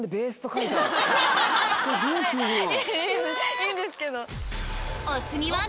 いいんですけど。